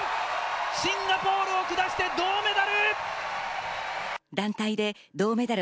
シンガポールを下して銅メダル！